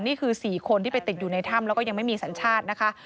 นี่คือ๔คนที่ไปติดอยู่ในถ้ำแล้วก็ยังไม่มีสัญชาตินะคะ